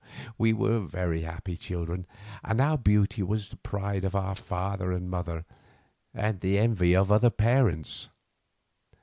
We were very happy children, and our beauty was the pride of our father and mother, and the envy of other parents.